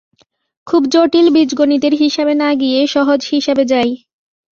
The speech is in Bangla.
খুব জটিল বীজগণিতের হিসাবে না গিয়ে সহজ হিসাবে যাই।